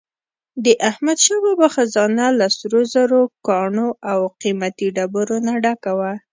د احمدشاه بابا خزانه له سروزرو، ګاڼو او قیمتي ډبرو نه ډکه وه.